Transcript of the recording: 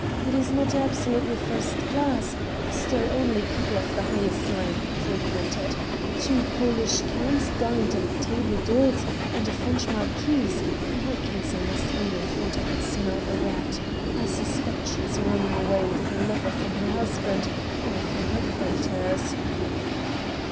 It is not absolutely first class still, only people of the highest rank frequent it; two Polish counts dined at the table d'hôte and a French marquise; in her case I must own I thought I could smell a rat I suspect she is running away with her lover from her husband, or from her creditors."